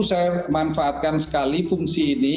saya manfaatkan sekali fungsi ini